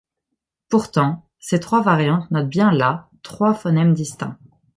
Pourtant, ces trois variantes notent bien là trois phonèmes distincts.